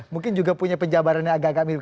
mungkin juga punya penjabarannya agak agak mirip